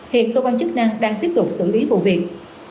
hiện cơ quan chức năng đang tiếp tục xử lý vụ việc